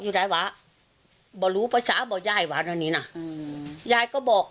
อยู่ได้ว่าบอกรู้ภาษาบอกยายว่าอันนี้น่ะอืมยายก็บอก